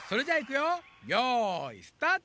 よいスタート！